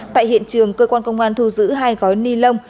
tại hiện trường cơ quan công an thu giữ hai gói ni lông